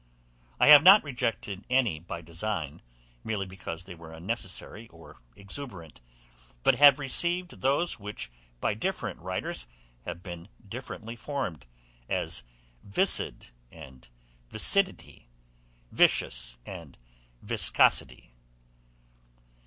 I have not rejected any by design, merely because they were unnecessary or exuberant; but have received those which by different writers have been differently formed, as viscid, and viscidity, viscous, and viscosity.